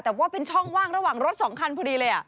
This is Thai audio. แต่ว่าเป็นช่องว่างระหว่างรถสองคันพอดีเลย